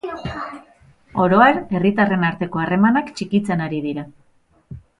Oro har, herritarren arteko harremanak txikitzen ari dira.